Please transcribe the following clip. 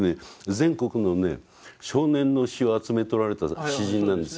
全国のね少年の詩を集めておられた詩人なんですよ。